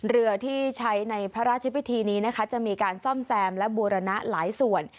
เรือที่ใช้ในพระราชพิธีนี้นะคะจะมีการซ่อมแซมและบูรณะหลายส่วน